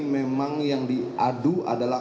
memang yang di adu adalah